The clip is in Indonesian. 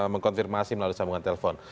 mengkonfirmasi melalui sambungan telepon